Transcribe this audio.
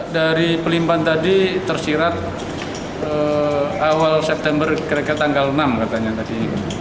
dari pelimpan tadi tersirat awal september kira kira tanggal enam katanya tadi